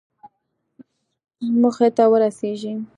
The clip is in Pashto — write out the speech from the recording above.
موخې ته ورسېږئ